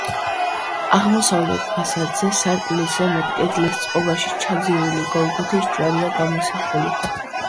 აღმოსავლეთ ფასადზე სარკმლის ზემოთ, კედლის წყობაში ჩაძირული გოლგოთის ჯვარია გამოსახული.